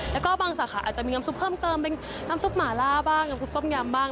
แล้วก็บางสาขาอาจจะมีน้ำซุปเพิ่มเติมเป็นน้ำซุปหมาล่าบ้างน้ำซุปต้มยำบ้าง